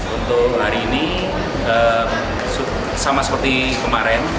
untuk hari ini sama seperti kemarin